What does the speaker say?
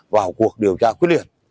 vào cuộc điều tra quyết liệt